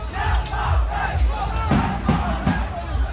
มันอาจจะไม่เอาเห็น